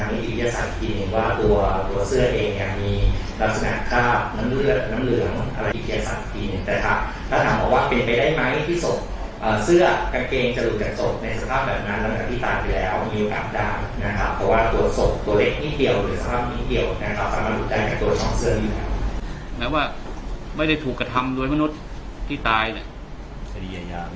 คิดจะสั่งที่๑ว่าตัวเสื้อเองมีลักษณะค่าน้ำเลือ